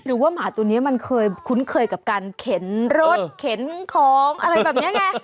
หรือว่าหมาตัวนี้มันเคยคุ้นเคยกับการเข็นรถเข็นของอะไรแบบนี้ไง